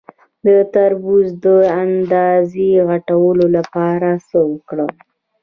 د تربوز د اندازې غټولو لپاره څه وکړم؟